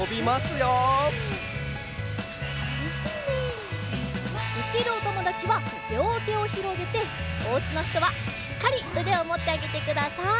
できるおともだちはりょうてをひろげておうちのひとはしっかりうでをもってあげてください。